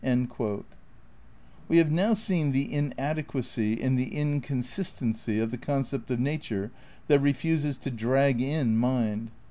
* We have now seen the inadequacy and the inconsist ency of the concept of nature that refuses to drag in mind.